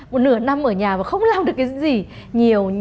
một nửa năm ở nhà và không làm được cái gì nhiều